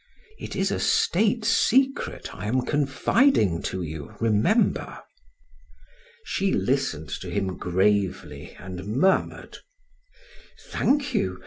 It is a state secret I am confiding to you, remember!" She listened to him gravely and murmured: "Thank you.